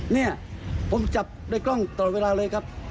เนี่ยผมจับได้กล้องตลอดเวลาเลยครับ